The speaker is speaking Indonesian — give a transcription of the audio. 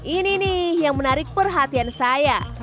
ini nih yang menarik perhatian saya